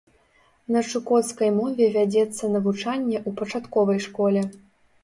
На чукоцкай мове вядзецца навучанне ў пачатковай школе.